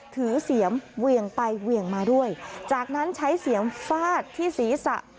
เสียมเหวี่ยงไปเหวี่ยงมาด้วยจากนั้นใช้เสียมฟาดที่ศีรษะ